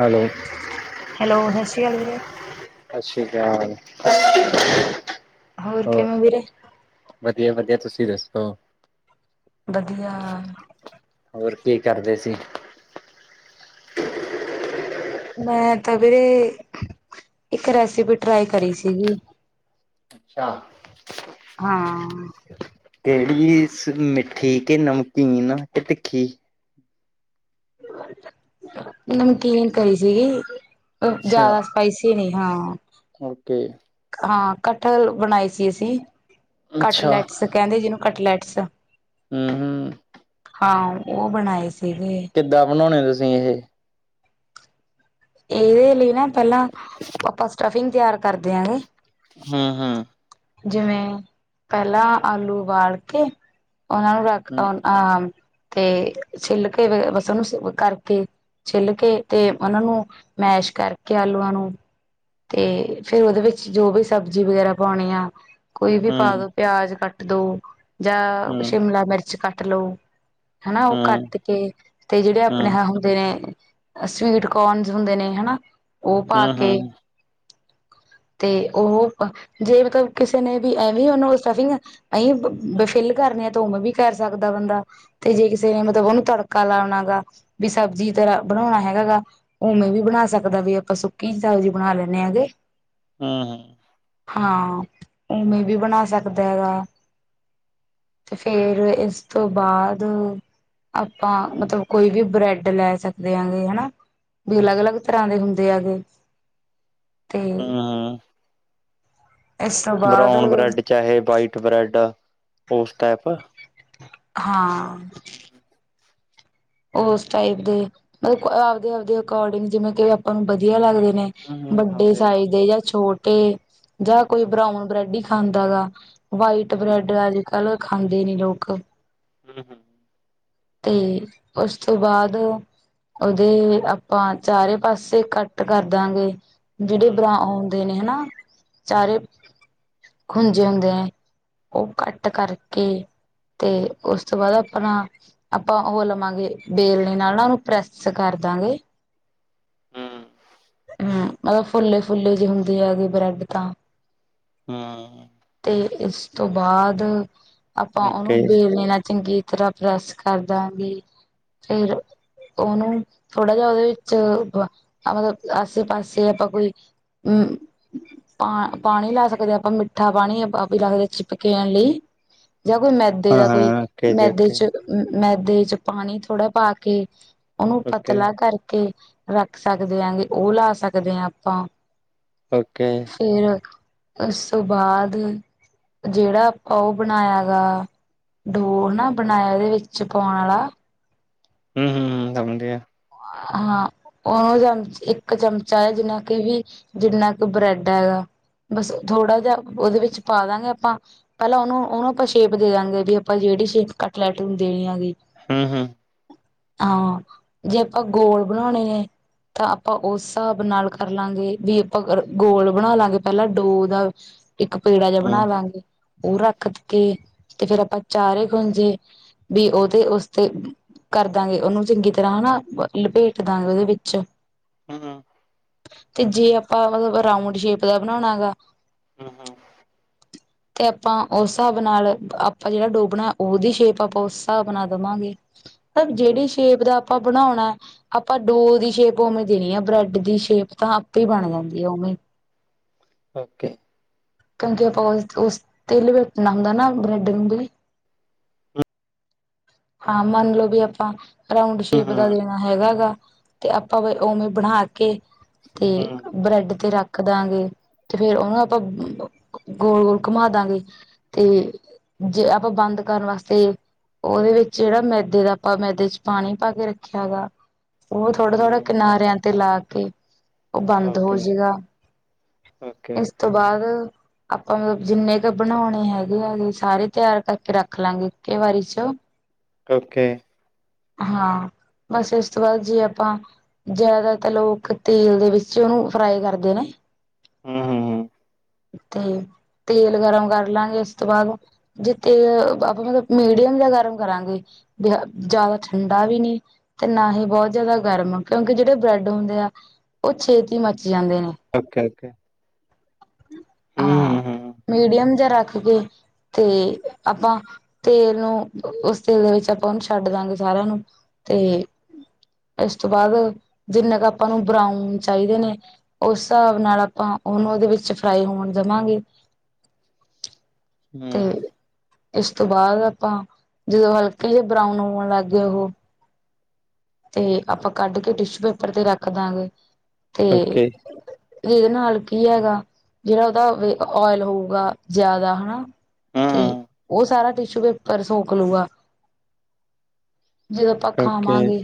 Hello! Hello ਸਤਿ ਸ਼੍ਰੀ ਅਕਾਲ ਵੀਰੇ। ਸਤਿ ਸ਼੍ਰੀ ਅਕਾਲ। ਹੋਰ ਕਿਵੇਂ ਔ ਵੀਰੇ? ਵਧੀਆ-ਵਧੀਆ ਤੁਸੀਂ ਦੱਸੋ? ਵਧੀਆ। ਹੋਰ ਕੀ ਕਰਦੇ ਸੀ? ਮੈਂ ਤਾਂ ਵੀਰੇ, ਇੱਕ ਰੈਸਪੀ ਟਰਾਈ ਕਰੀ ਸੀਗੀ‌। ਅੱਛਾ। ਹਾਂ। ਕੇੜੀ ਮਿੱਠੀ ਕੇ ਨਮਕੀਨ ਕੇ ਤਿੱਖੀ? ਨਮਕੀਨ ਕਰੀ ਸੀਗੀ, ਓ ਅੱਛਾ ਜਾਦਾ ਸਪਾਈਸੀ ਨਈ ਹਾਂ। ਓਕੇ। ਹਾਂ ਕੱਠਲ ਬਣਾਏ ਸੀ ਅਸੀਂ, ਅੱਛਾ ਕੱਟ-ਲੈਟਸ ਕੈਂਦੇ ਜਿਨੂੰ ਕੱਟ-ਲੈਟਸ ਆਂ ਹਾਂ। ਹਾਂ, ਓ ਬਣਾਏ ਸੀਗੇ। ਕਿੱਦਾਂ ਬਣਾਓਣੇ ਤੁਸੀਂ ਏਹੇ? ਏਦੇ ਲਈ ਨਾ ਪੈਲਾਂ ਆਪਾਂ ਸਟਫਿੰਗ ਤਿਆਰ ਕਰਦੇ ਹਾਂਗੇ ਹਾਂ-ਹਾਂ। ਜਿਵੇਂ, ਪੈਲਾਂ ਆਲੂ ਬਾਲ ਕੇ ਓਨਾਂ ਨੂੰ ਰੱਖ ਆ ਤੇ ਛਿੱਲ ਕੇ, ਫੇਰ ਬਸ ਓਨੂੰ ਕਰਕੇ ਛਿੱਲ ਕੇ ਤੇ ਓਨਾਂ ਨੂੰ ਮੈਸ਼ ਕਰਕੇ ਆਲੂਆਂ ਨੂੰ ਤੇ ਫੇਰ ਓਦੇ ਵਿੱਚ ਜੋ ਵੀ ਸਬਜ਼ੀ ਵਗੈਰਾ ਪਾਨੀ ਆ ਕੋਈ ਵੀ ਪਾ ਹਮ ਦੋ, ਪਿਆਜ ਕੱਟ ਦੋ ਜਾਂ ਹਮ ਸ਼ਿਮਲਾ ਮਿਰਚ ਕੱਟ ਲੋ ਹੈਨਾ ਓਹ ਹਮ ਕੱਟ ਕੇ, ਤੇ ਜਿੜੇ ਹਮ ਆਪਣੇ ਹਮ ਹਾਂ ਹੁੰਦੇ ਨੇ ਸਵੀਟ ਕੋਨ ਹੁੰਦੇ ਨੇ ਹੈਨਾ, ਓ ਪਾ ਹਮ ਕੇ ਹਮ ਤੇ ਓਹੋ ਜੇ ਮਤਲਬ ਕਿਸੇ ਨੇ ਵੀ ਐਵੇਂ ਓਨੂੰ ਸਟਫਿੰਗ ਐਈ ਬ ਫਿਲ ਕਰਨੇ ਆ ਤਾਂ ਓਮੇ ਵੀ ਕਰ ਸਕਦਾ ਬੰਦਾ ਤੇ ਜੇ ਕਿਸੇ ਨੇ ਮਤਲਬ ਓਨੂੰ ਤੜਕਾ ਲਾਣਾ ਹੈਗਾ, ਵੀ ਸਬਜ਼ੀ ਤਰਾਂ ਬਣਾਉਣਾ ਹੈਗਾ ਗਾ ਉਵੇਂ ਵੀ ਬਣਾ ਸਕਦਾ ਵੀ ਆਪਾਂ ਸੁੱਕੀ ਸਬਜ਼ੀ ਬਣਾ ਲੈਂਦੇ ਹੈਗੇ ਆਹ-ਹਾਂ। ਹਾਂ, ਉਵੇਂ ਵੀ ਬਣਾ ਸਕਦਾ ਹੈਗਾ ਤੇ ਫੇਰ ਏਸ ਤੋਂ ਬਾਦ ਆਪਾਂ ਮਤਲਬ ਕੋਈ ਵੀ ਬਰੈਡ ਲੈ ਸਕਦੇ ਹਾਂਗੇ ਹਨਾ ਵੀ ਅਲੱਗ-ਲੱਗ ਤਰ੍ਹਾਂ ਦੇ ਹੁੰਦੇ ਹੈਗੇ, ਤੇ ਇਸ ਤੋਂ ਬਾਅਦ ਬਰੋਨ ਬ੍ਰੈਡ ਚਾਹੇ ਵਾਈਟ ਬ੍ਰੈਡ, ਓਸ ਟੈਪ ਹਾਂ। ਓਸ ਟਾਈਪ ਦੇ, ਮਤਲਬ ਆਵਦੇ-ਆਵਦੇ ਅਕੋਰਡਿੰਗ ਜਿਵੇਂ ਕਿ ਆਪਾਂ ਨੂੰ ਵਧੀਆ ਲੱਗਦੇ ਨੇ ਹਮ ਹਮ ਵੱਡੇ ਸਮਝਿਆ ਸਾਈਜ਼ ਸਮਝਿਆ ਦੇ ਜਾਂ ਛੋਟੇ, ਜਾਂ ਕੋਈ ਹਮ ਬਰਾਉਨ ਬ੍ਰੈਡ ਈ ਖਾਂਦਾ ਗਾ ਵਾਈਟ ਬ੍ਰੈਡ ਅੱਜ-ਕੱਲ ਖਾਂਦੇ ਨੀ ਲੋਕ ਹੂੰ-ਹੂੰ। ਤੇ ਓਸ ਤੋਂ ਬਾਦ ਓਦੇ ਆਪਾਂ ਚਾਰੇ ਪਾਸੇ ਕੱਟ ਕਰਦਾਂਗੇ ਜਿ਼ੜੇ ਹਮ ਬਰਾਊਨ ਹੁੰਦੇ ਨੇ ਹਨਾ ਚਾਰੇ, ਖੁੰਜੇ ਹੁੰਦੇ ਓ ਕੱਟ ਕਰਕੇ ਤੇ ਓਸ ਤੋਂ ਬਾਦ ਆਪਣਾ ਆਪਾਂ ਓਹ ਲਵਾਂਗੇ ਬੇਲਣੇ ਨਾਲ ਨਾ ਓਨੂੰ ਪ੍ਰੈਸ ਕਰ ਦਾਂਗੇ ਹੂੰ। ਹਾਂ ਔ ਫੁੱਲੇ- ਫੁੱਲੇ ਜੇ ਹੁੰਦੇ ਐ, ਬਰੈਡ ਤਾਂ ਹਾਂ। ਤੇ ਇਸ ਤੋਂ ਬਾਅਦ ਆਪਾਂ ਉਹਨੂੰ ਵੇਲ ਲੈਣਾ ਚੰਗੀ ਤਰਹ ਪ੍ਰੈਸ ਕਰ ਦਾਂਗੀ ਫਿਰ ਉਹਨੂੰ ਥੋੜਾ ਜਿਹਾ ਉਹਦੇ ਵਿੱਚ, ਮਤਲਬ ਆਸੇ ਪਾਸੇ ਆਪਾਂ ਕੋਈ ਹੂ ਪਾ ਪਾਣੀ ਲੈ ਸਕਦੇ, ਆਪਾਂ ਮਿੱਠਾ ਪਾਣੀ ਲੈ ਸਕਦੇ ਚਿਪਕੇਣ ਲਈ ਜਾਂ ਕੋਈ ਮੈਦੇ ਦਾ ਕੋਈ ਮੈਦੇ ਚ ਮੈਦੇ ਚ ਪਾਣੀ ਥੋੜ੍ਹਾ ਪਾ ਕੇ, ਉਹਨੂੰ ਪਤਲਾ ਕਰਕੇ ਰੱਖ ਸਕਦੇ ਆਂ ਹਾਂ, ਉਹ ਲਾ ਸਕਦੇ ਆਂ ਆਪਾਂ ਓਕੇ। ਫੇਰ ਉਸ ਤੋਂ ਬਾਅਦ, ਜਿਹੜਾ ਆਪਾਂ ਉਹ ਬਣਾਇਆ ਹੈਗਾ ਡੋ ਨਾ ਬਣਾਇਆ, ਉਹਦੇ ਵਿੱਚ ਪਾਉਣ ਵਾਲਾ ਹੂ ਹੂ ਹੂ ਕੰਮ ਦੇ ਐ। ਹਾਂ ਉਹਨੂੰ ਜਾਮ, ਇੱਕ ਚਮਚਾ ਹੈ ਜਿੰਨਾ ਕਿ ਵੀ ਜਿੰਨਾ ਕੁ ਬ੍ਰੈਡ ਹੈਗਾ। ਬਸ, ਥੋੜ੍ਹਾ ਜਿਹਾ ਉਹਦੇ ਵਿੱਚ ਪਾ ਦਾਂਗੇ ਆਪਾਂ ਪਹਿਲਾਂ, ਉਹਨੂੰ-ਉਹਨੂੰ ਆਪਾਂ ਸ਼ੇਪ ਦੇ ਦਾਂਗੇ ਵੀ ਆਪਾਂ, ਜਿਹੜੀ ਸ਼ੇਪ ਕੱਟਲੈਟ ਨੂੰ ਦੇਣੀ ਹੈਗੀ। ਹਾਂ ਹਾਂ ਹਾਂ, ਜੇ ਆਪਾਂ ਗੋਲ ਬਣਾਉਣੇ ਹੈ। ਤਾਂ ਆਪਾਂ ਉਸ ਹਿਸਾਬ ਨਾਲ ਕਰ ਲਾਂਗੇ, ਵੀ ਆਪਾਂ ਗੋਲ ਬਣਾ ਲਾਂਗੇ ਪਹਿਲਾਂ ਡੋ ਦਾ ਇੱਕ ਪੇੜਾ ਜਿਹਾ ਬਣਾ ਲਾਂਗੇ। ਉਹ ਰੱਖ ਕੇ ਤੇ ਫੇਰ ਆਪਾਂ ਚਾਰੇ ਖੁੰਜੇ ਵੀ ਉਹ ਤੇ ਉਸ ਤੇ ਕਰਦਾਂਗੇ। ਉਹਨੂੰ ਚੰਗੀ ਤ ਤਰ੍ਹਾਂਹ ਨਾ ਲਪੇਟ ਦਾਂਗੇ ਉਹਦੇ ਵਿੱਚ ਹੂ ਹੂ ਤੇ ਜੇ ਆਪਾਂ ਮਤਲਬ ਰਾਊਂਡ ਸ਼ੇਪ ਦਾ ਬਣਾਉਣਾ ਹੈਗਾ। ਹੂ ਹੂ [unintelligible] [inaudible] ਤੇ ਆਪਾਂ ਉਸ ਹਿਸਾਬ ਨਾਲ, ਆਪਾਂ ਜਿਹੜਾ ਡੋ ਬਣਾਇਆ ਉਹਦੀ ਸ਼ੇਪ ਆਪਾਂ ਉਸ ਹਿਸਾਬ ਨਾਲ ਦੇਵਾਂਗੇ ਪਰ ਜਿਹੜੀ ਸ਼ੇਪ ਦਾ ਆਪਾਂ ਬਣਾਉਣਾ ਆਪਾਂ ਡੋ ਦੀ ਸ਼ੇਪ ਉਵੇਂ ਦੇਣੀ ਆ, ਬ੍ਰੈਡ ਦੀ ਸ਼ੇਪ ਤਾਂ ਆਪੇ ਬਣ ਜਾਂਦੀ ਹੈ ਉਵੇਂ ਓਕੇ ਕਿਉਂਕਿ ਆਪਾਂ ਉਸ ਉਸ ਤਿਲ ਵੈਟਣਾ ਹੁੰਦਾ ਨਾ ਬ੍ਰੈਡ ਨੂੰ ਵੀ ਹਾਂ ਮੰਨ ਲਓ ਵੀ ਆਪਾਂ ਰਾਊਂਡ ਸ਼ੇਪ ਦਾ ਦੇ ਹੈਗਾ ਹੈਗਾ, ਤੇ ਆਪਾਂ ਫੇਰ ਉਵੇਂ ਬਣਾ ਕੇ ਤੇ ਬ੍ਰੈਡ ਤੇ ਰੱਖ ਰੱਖ ਦਾਂਗੇ ਤੇ ਫੇਰ ਉਹਨੂੰ ਆਪਾਂ ਗੋਲ ਗੋਲ ਘੁਮਾ ਦਾਂਗੇ ਤੇ ਜੇ ਆਪਾਂ ਬੰਦ ਕਰਣ ਵਾਸਤੇ ਉਹਦੇ ਵਿੱਚ ਜਿਹੜਾ ਮੈਦੇ ਦਾ, ਆਪਾਂ ਮੈਦੇ ਚ ਪਾਣੀ ਪਾ ਕੇ ਰੱਖਿਆ ਹੈਗਾ ਉਹ ਥੋੜਾ -ਥੋੜ੍ਹਾ ਕਿਨਾਰਿਆਂ ਤੇ ਲਾ ਕੇ ਉਹ ਬੰਦ ਹੋ ਜਏਗਾ ਇਸ ਤੋਂ ਬਾਅਦ ਆਪਾਂ ਮਤਲਬ ਜਿੰਨੇ ਕੁ ਬਣਾਉਣੇ ਹੈਗੇ ਹੈਗੇ ਸਾਰੇ ਤਿਆਰ ਕਰਕੇ ਰੱਖ ਲਾਂਗੇ ਇੱਕ ਵਾਰੀ ਚ ਹੈਲੋ ਉਕੇ ਹਾਂ ਬਸ ਇਸ ਤੋਂ ਬਾਅਦ ਜੇ ਆਪਾਂ ਜਾਦਾਤਰ ਲੋਕ ਤੇਲ ਦੇ ਵਿੱਚ ਓਨੂੰ ਫਰਾਈ ਕਰਦੇ ਨੇ। ਹੂੰ-ਹੂੰ-ਹੂੰ। ਤੇ ਤੇਲ ਗਰਮ ਕਰ ਲਾਂਗੇ, ਉਸ ਤੋਂ ਬਾਦ ਜੇ ਤੇਲ ਆਪਾਂ ਮਤਲਬ ਜਾ ਗਰਮ ਕਰਾਂਗੇ, ਜਾਦਾ ਠੰਡਾ ਵੀ ਨੀ ਤੇ ਨਾ ਹੀ ਬੋਤ ਜਾਦਾ ਗਰਮ, ਕਿਉਂਕਿ ਜੇੜੇ ਬ੍ਰੈਡ ਹੁੰਦੇ ਆ, ਓ ਛੇਤੀ ਮੱਚ ਜਾਂਦੇ ਨੇ। ਓਕੇ-ਓਕੇ। ਹਾਂ, ਮੀਡੀਅਮ ਜਾ ਰੱਖ ਕੇ। ਤੇ ਆਪਾਂ ਤੇਲ ਨੂੰ, ਓਸ ਤੇਲ ਦੇ ਵਿੱਚ ਆਪਾਂ ਓਨੂੰ ਛੱਡ ਦਾਂਗੇ ਸਾਰੇਆਂ ਨੂੰ। ਤੇ ਏਸ ਤੋਂ ਬਾਦ ਜਿੰਨੇ ਕੁ ਆਪਾਂ ਨੂੰ ਬਰਾਊਨ ਚਾਈਦੇ ਨੇ ਓਸ ਹਸਾਬ ਨਾਲ ਆਪਾਂ ਓਨੂੰ ਓਦੇ ਵਿੱਚ ਫਰਾਈ ਹੋਣ ਦਵਾਂਗੇ ਤੇ ਏਸ ਤੋਂ ਬਾਦ ਆਪਾਂ ਜਦੋਂ ਹਲਕੇ ਜੇ ਬਰਾਊਨ ਹੋਣ ਲੱਗ ਗਏ ਓਹ ਤੇ ਆਪਾਂ ਕੱਢ ਕੇ ਟਿਸ਼ੂ ਪੇਪਰ ਤੇ ਰੱਖ ਦਾਂਗੇ ਤੇ ਏਦੇ ਨਾਲ ਕੀ ਹੈਗਾ, ਜੇੜਾ ਓਦਾ ਓਇਲ ਹੋਊਗਾ ਜਾਦਾ ਹਨਾ ਤੇ ਓ ਸਾਰਾ ਟਿਸ਼ੂ ਪੇਪਰ ਸੌਖ ਲੂਗਾ। ਜਦੋਂ ਆਪਾਂ ਖਾਵਾਂਗੇ,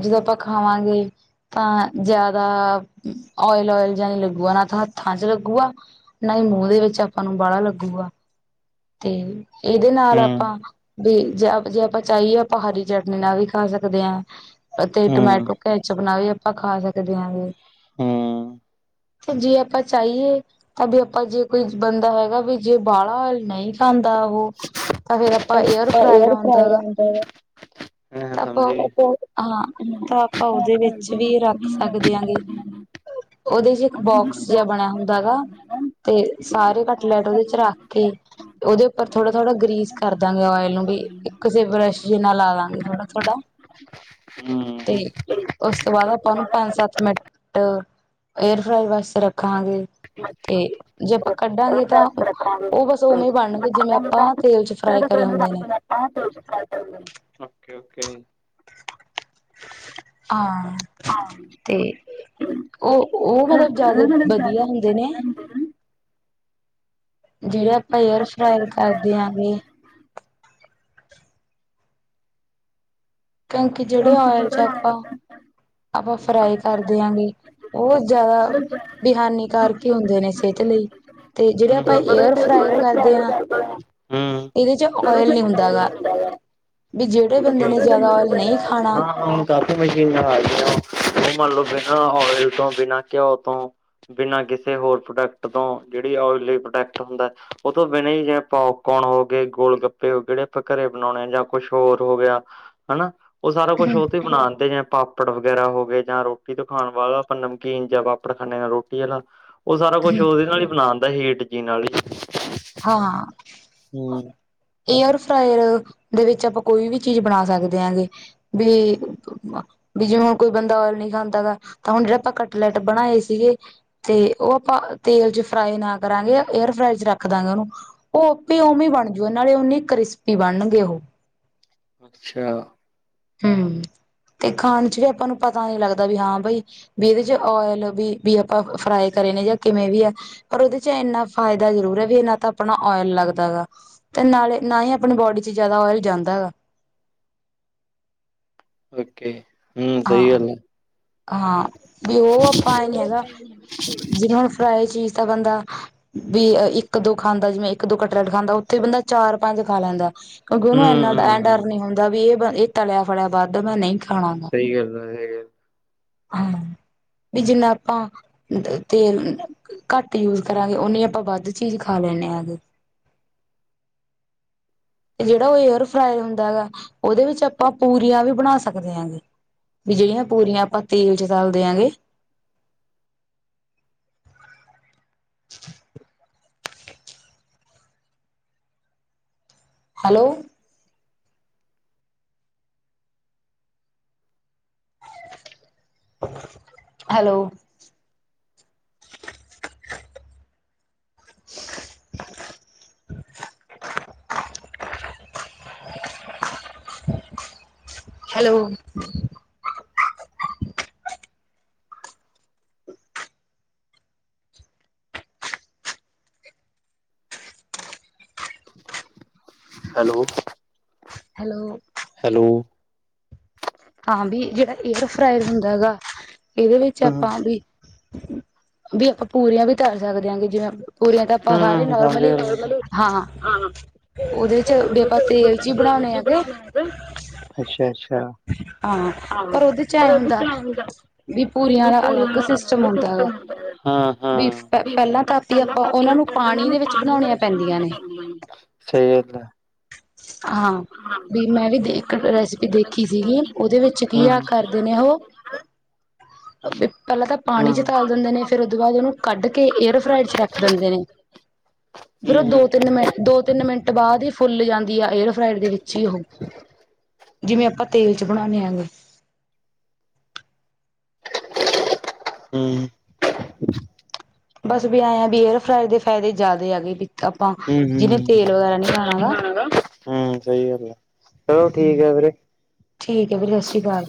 ਜਦੋਂ ਆਪਾਂ ਖਾਵਾਂਗੇ ਤਾਂ ਜਾਦਾ ਓਇਲ-ਓਇਲ ਜਾਂ ਨਈਂ ਲਗੂ ਲੱਗੂਗਾ ਨਾ ਤਾਂ ਹੱਥਾਂ ਚ ਲੱਗੂਗਾ- ਨਾ ਹੀ ਮੂੰਹ ਦੇ ਵਿੱਚ ਆਪਾਂ ਨੂੰ ਬਾਲਾ ਲੱਗੂਗਾ, ਤੇ ਇਹਦੇ ਨਾਲ ਆਪਾਂ ਵੀ ਜੇ ਜੇ ਆਪਾਂ ਚਾਈਏ ਆਪਾਂ ਹਰੀ ਚਟਨੀ ਨਾਲ ਵੀ ਖਾ ਸਕਦੇ ਆਂ, ਤੇ ਟਮੈਟੋ ਪੈਚ ਬਣਾ ਕੇ ਵੀ ਆਪਾ ਖਾ ਸਕਦੇ ਆਂ ਵੀ। ਹੂੰ। ਤੇ ਜੇ ਆਪਾਂ ਚਾਈਏ ਤਾਂ ਵੀ ਆਪਾਂ ਜੇ ਕੋਈ ਬੰਦਾ ਹੈਗਾ ਵੀ ਜੇ ਬਾਹਲਾ ਨਈਂ ਖਾਂਦਾ ਓਹ ਤਾਂ ਫੇਰ ਆਪਾਂ ਏਅਰ ਫਰਾਇਰ ਆਉਂਦਾ। ਹੈਂ, ਤਾਂ ਆਪਾਂ ਸਮਝੇ? ਹਾਂ ਤਾਂ ਆਪਾਂ ਉਹਦੇ ਵਿੱਚ ਵੀ [unintelligible] ਓਦੇ ਚ ਇਕ ਬੋਕਸ ਜੇਆ ਬਣਿਆ ਹੁੰਦਾ ਹੈਗਾ, ਤੇ ਸਾਰੇ ਕੱਟਲੈਟ ਓਦੇ ਚ ਰੱਖ ਤੇ ਓਦੇ ਪਰ ਥੋੜਾ-ਥੋੜਾ ਗਰੀਸ ਕਰ ਦਾਂਗੇ ਓਇਲ ਨੂੰ ਵੀ ਇੱਕ ਜੇ ਕਿਸੇ ਬਰੱਸ਼ ਨਾਲ ਲਾ ਲਾਂਗੇ ਥੋੜਾ-ਥੋੜਾ। ਹੂੰ। ਤੇ ਓਸ ਤੋਂ ਬਾਦ ਆਪਾਂ ਓਨੂੰ ਪੰਜ-ਸੱਤ ਮਿੰਟ ਏਅਰ ਫਰਾਇਰ ਵਾਸਤੇ ਰੱਖਾਂਗੇ ਤੇ ਜੇ ਆਪਾਂ ਕੱਢਾਂਗੇ ਤਾਂ ਉਹ ਬਸ ਓਵੇਂ ਬਣਗੇ, ਜਿਵੇਂ ਆਪਾਂ ਤੇਲ ਚ ਫਰਾਈ ਕਰੇ ਹੁੰਦੇ ਨੇ। ਓਕੇ-ਓਕੇ। ਆਂ। [unintelligible] ਓ-ਓ ਫੇਰ ਓ ਜਾਦਾ ਵਧੀਆ ਹੁੰਦੇ ਨੇ। ਜੇੜੇ ਆਪਾਂ ਏਅਰ ਫਰਾਈਰ ਕਰਦੇ ਆਂਗੇ। ਕਿਉਂਕਿ ਜੇੜੇ ਓਇਲ ਚ ਆਪਾਂ ਆਪਾਂ ਫਰਾਈ ਕਰਦੇਆਂਗੇ, ਓ ਜਾਦਾ ਹੂੰ ਬੇਈ ਹਾਨੀਕਾਰਕ ਹੀ ਹੁੰਦੇ ਨੇ ਸੇਤ ਲਈ। ਤੇ ਜੇੜੇ ਆਪਾਂ ਹੂੰ ਏਅਰ ਫਰਾਾਇਰ ਕਰਦੇ ਆਂ ਏਦੇ ਚ ਓਇਲ ਨਈਂ ਹੁੰਦਾ ਹੈਗਾ ਹੂੰ ਵੀ ਜੇੜੇ ਓਕੇ ਬੰਦੇ ਨੇ ਜਾਦਾ ਓਇਲ ਨਈਂ ਖਾਣਾ ਹਾਂ ਹੁਣ ਕਾਫੀ ਮਸ਼ੀਨਾਂ ਆ ਗਈਆਂ, ਹੋਨ ਮੰਨ ਲਓ ਬਿਨਾਂ ਓਇਲ ਤੋਂ, ਬਿਨਾਂ ਘਿਓ ਤੋਂ ਬਿਨਾਂ ਕਿਸੇ ਹੋਰ ਪ੍ਰੋਡਕਟ ਤੋਂ ਜੇੜੀ ਓਇਲੀ ਪ੍ਰੋਡਕਟ ਹੁੰਦਾ, ਓ ਤੋਂ ਬਿਨਾ ਹੀ ਕੌਰਨ ਹੋ ਗਏ, ਗੋਲ ਗੱਪੇ ਹੋ ਗਏ, ਜੇੜੇ ਆਪਾਂ ਘਰੇ ਬਣਾਉਣੇ ਆ ਜਾਂ ਕੁਛ ਚੋਰ ਹੋ ਗਿਆ ਹਨਾ, ਓ ਸਾਰਾ ਕੁਛ ਓਤੇ ਈ ਬਨਾਨ ਤੇਂ ਜਾਂ ਪਾਪ ਪਾਪੜ ਵਗੈਰਾ ਹੋ ਗਏ ਜਾਂ ਰੋਟੀ ਤੋਂ ਖਾਣ ਵਾਲਾ ਆਪਾਂ ਨਮਕੀਨ ਜਾਂ ਪਾਪੜ ਖਾਨੇ ਆਂ, ਰੋਟੀ ਵਾਲਾ। ਉਹ ਸਾਰਾ ਕੁਛ ਉਹਦੇ ਨਾਲ ਹੀ ਬਣਾਦਾ ਹੇਠ ਜੀ ਨਾਲ ਈ ਹਾਂ ਹਮ ਏਅਰ ਫ੍ਰਾਇਰ ਦੇ ਵਿੱਚ ਆਪਾਂ ਕੋਈ ਵੀ ਚੀਜ਼ ਬਣਾ ਸਕਦੇ ਆ ਗੇ ਵੀ ਵੀ ਜਿਵੇਂ ਹੁਣ ਕੋਈ ਬੰਦਾ ਓਇਲ ਨਹੀਂ ਖਾਂਦਾ ਗਾ ਤਾਂ ਹੁਣ ਜਿਹੜੇ ਆਪਾਂ ਕੱਟ ਲੈਟ ਬਣਾਏ ਸੀਗੇ ਤੇ ਉਹ ਆਪਾਂ ਤੇਲ ਚ ਫਰਾਈ ਨਾ ਕਰਾਂਗੇ, ਏਅਰ ਫਰਾਈ ਰੱਖਦਾਂਗੇ ਉਹਨੂੰ, ਉਹ ਆਪੇ ਉਵੇਂ ਬਣ ਜੂ ਨਾਲੇ ਓਨੀ ਕ੍ਰਿਸਪੀ ਬਣਨਗੇ ਉਹ ਅੱਛਾ ਹਮ, ਤੇ ਖਾਣ ਚ ਵੀ ਆਪਾਂ ਨੂੰ ਪਤਾ ਨੀ ਲੱਗਦਾ ਵੀ ਹਾਂ ਬਾਈ ਵੀ ਇਹਦੇ ਚ ਓਇਲ ਵੀ ਵੀ ਆਪਾਂ ਫਰਾਈ ਕਰੇ ਨੇ ਜਾਂ ਕਿਵੇਂ ਵੀ ਐ। ਪਰ ਉਹਦੇ ਚ ਇੰਨਾ ਫ਼ਾਇਦਾ ਜ਼ਰੂਰ ਐ। ਵੀ ਨਾ ਤਾਂ ਆਪਣਾ ਓਇਲ ਲੱਗਦਾ ਐਗਾ ਤੇ ਨਾਲੇ ਨਾ ਈ ਆਪਣੀ ਬੋਡੀ ਚ ਜ਼ਿਆਦਾ ਓਇਲ ਜਾਂਦਾ ਹੈਗਾ। ਓਕੇ ਹਮ ਸਹੀ ਹਾਂ ਗੱਲ ਐ। ਹਾਂ ਵੀ ਉਹ ਆਪਾਂ ਐ ਨੀ ਹੈਗਾ, ਜਿਵੇਂ ਹੁਣ ਫਰਾਈ ਚੀਜ਼ ਦਾ ਬੰਦਾ ਵੀ ਇੱਕ ਦੋ ਖਾਂਦਾ ਜਿਵੇਂ ਇੱਕ ਦੋ ਕਟਰੇਟ ਖਾਂਦਾ, ਉੱਥੇ ਬੰਦਾ ਚਾਰ- ਪੰਜ ਖਾ ਲੈਂਦਾ। ਕਿਉਂਕਿ ਹੂੰ, ਉਹਨੂੰ ਇੰਨਾ ਹੂੰ ਡ ਹੂੰ ਡਰ ਨੀ ਹੁੰਦਾ ਵੀ ਇਹ ਇਹ ਤਲਿਆ ਫਲਿਆ ਵੱਧ ਮੈਂ ਨਹੀਂ ਖਾਣਾ। ਗਾ ਸਹੀ ਗੱਲ ਏਹ ਹੈਗਾ ਹਾਂ, ਬੀ ਜਿਨਾ ਆਪਾਂ ਤੇਲ ਘੱਟ ਯੂਜ ਕਰਾਂਗੇ, ਉਹਨੇ ਆਪਾਂ ਵੱਧ ਚੀਜ਼ ਖਾ ਲੈਂਦੇ ਹੈਗੇ। ਤੇ ਜਿਹੜਾ ਉਹ ਏਅਰ ਫਰਾਈ ਹੁੰਦਾ ਹੈਗਾ, ਉਹਦੇ ਵਿੱਚ ਆਪਾਂ ਪੂਰੀਆਂ ਵੀ ਬਣਾ ਸਕਦੇ ਹਗੇ। ਵੀ ਜਿਹੜੀਆਂ ਪੂਰੀਆਂ ਆਪਾਂ ਤੇਲ ਚ ਤਲ ਦਿਆਂਗੇ hello hello [inaudible] hello hello hello hello ਹਾਂ ਵੀ ਜਿਹੜਾ ਏਅਰ ਫਰਾਾਇਰ ਹੁੰਦਾ ਹੈਗਾ, ਇਹਦੇ ਵਿੱਚ ਹੂੰ, ਆਪਾਂ ਵੀ ਵੀ ਆਪਾਂ ਪੂਰੀਆਂ ਵੀ ਤਲ ਸਕਦੇ ਹਾਂਗੇ ਜਿਵੇਂ ਪੂਰੀਆਂ ਤਾਂ ਆਪਾਂ ਸਾਰੇ ਹੂੰ ਸਮਝ ਨੋਰਮਲੀ ਗਿਆ। ਹਾਂ ਉਹਦੇ ਚ ਆਪਾਂ ਤੇਲ ਚ ਈ ਬਣਾਉਣੇ ਜੀ ਆ ਗੇਂ। ਬਣਾਉਣਾ ਹੈਗਾ। ਅੱਛਾ ਅੱਛਾ, ਹਾਂ ਉਹਦੇ ਚ ਪਰ ਐ ਓਦੇ ਚ ਹੁੰਦਾ ਆਣ ਦਾ ਵੀ ਪੂਰੀਆਂ ਦਾ ਰਿਪੂ ਅਲੱਗ ਰਾਣਾ ਅਲਗ ਹੁੰਦਾ ਗਾ। ਸਿਸਟਮ ਐ [unintelligible] ਵੀ ਪਹਿਲਾਂ ਤਾਂ ਵੀ ਪੈਲਾਂ ਆਪਾਂ ਤਾਂ ਉਹਨਾਂ ਐਨਾ ਨੂੰ ਪਾਣੀ ਦੇ ਬਣਾਉਣੀਆਂ ਵਿੱਚ ਪੈਂਦੀਆਂ ਬਣੋਣੀਆਂ ਨੇ ਪੈੰਦੀਆਂ ਏ। ਹਾਂ। ਬੀ ਮੈਂ ਵੀ ਦੇ ਤੇ ਇੱਕ ਇੱਕ ਮੈਂ ਵੀ ਰੈਸਿਪੀ ਦੇਖੀ ਰੈਸਪੀ ਸੀਗੀ, ਸੀ ਓਹਦੇ ਉਹਦੇ ਵਿੱਚ ਪੀ ਆ ਕੀ ਕਰਦੇ ਨੇ ਓਹ। ਨੇ ਨਾ ਪੈਲਾਂ ਤਾਂ ਇਹਨਾਂ ਪਾਣੀ ਚ ਨੂੰ ਤਲ ਚ ਦਿੰਦੇ ਨੇ ਪਾ ਫੇਰ ਓਦ ਫਿਰ ਓਹਨੂੰ ਉਹਦੇ ਕੱਢ ਨਾਲ ਇਹਨਾਂ ਨੂੰ ਕੇ ਏਅਰ- ਫਰਾਈਡ ਚ ਰੱਖ ਕੱਢ ਦਿੰਦੇ ਨੇ। ਫੇਰ ਕੇ ਓਹ ਹੂੰ, ਦੋ-ਤਿੰਨ ਮਿੰ ਦੋ-ਤਿੰਨ ਮਿੰਟ ਬਾਦ ਈ ਫੁੱਲ ਜਾਂਦੀ ਆ ਏਅਰ -ਫਰਾਈਡ ਦੇ ਵਿੱਚ ਹੀ ਓਹ। ਜਿਵੇਂ ਆਪਾਂ ਤੇਲ ਚ ਬਣਾਣੇ ਹੇਗੇ। ਹੂੰ। ਬਸ ਵੀ ਐਏ ਆ ਬੀ ਏਅਰ- ਫਰਾਈ ਦੇ ਫੈਦੇ ਜਾਦੇ ਆਗਏ, ਬੀ ਆਪਾਂ ਹੂੰ, ਜਿਨੇ ਹੂੰ। ਤੇਲ ਵਗੈਰਾ ਨੀ ਖਾਣਾ ਹੈਗਾ ਗਾਣਾ ਗਾ। ਹੂੰ, ਸਹੀ ਗੱਲ ਐ, ਚਲੋ ਠੀਕ ਆ ਵੀਰੇ। ਠੀਕ ਹੈ ਵੀਰੇ, ਸਤ ਸ੍ਰੀ਼ ਕਾਲ।